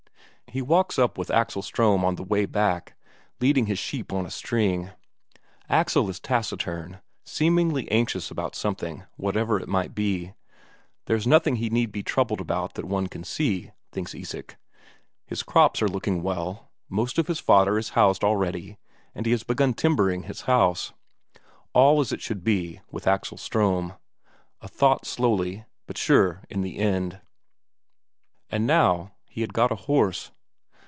He walks up with Axel Ström on the way back, leading his sheep on a string. Axel is taciturn, seemingly anxious about something, whatever it might be. There's nothing he need be troubled about that one can see, thinks Isak; his crops are looking well, most of his fodder is housed already, and he has begun timbering his house. All as it should be with Axel Ström; a thought slowly, but sure in the end. And now he had got a horse.